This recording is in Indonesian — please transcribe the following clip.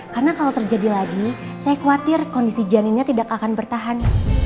karena kalau terjadi lagi saya khawatir kondisi janinnya tidak akan bertahan